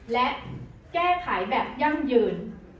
และแก้ไขแบบยั่งยืน